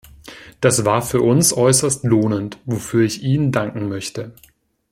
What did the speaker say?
Das war für uns äußerst lohnend, wofür ich Ihnen danken möchte.